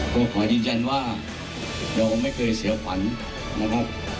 ก็ขอจริงว่ามาไม่เคยเสียความความหวัง